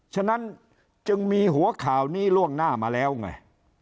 ฉะนั้นจึงมีหัวข่าวนี้ล่วงหน้ามาแล้วไง